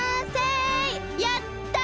やった！